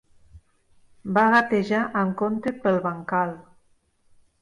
Va gatejar amb compte pel bancal.